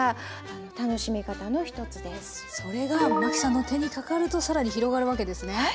それが麻紀さんの手にかかると更に広がるわけですね。